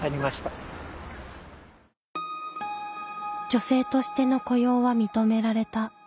女性としての雇用は認められた。